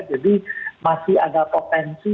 jadi masih ada potensi